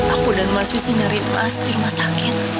aku dan mas wisi ngerit mas di rumah sakit